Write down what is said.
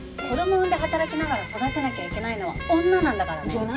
子供を産んで働きながら育てなきゃいけないのは女なんだからね！